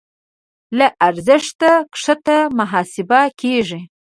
له ارزښت کښته محاسبه کېږي.